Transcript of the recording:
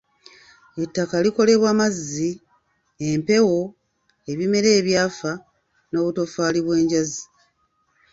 Ettaka likolebwa amazzi, empewo, ebimera ebyafa, n'obutoffali obw'enjazi